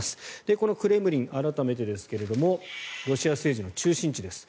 このクレムリン改めてですけどロシア政治の中心地です。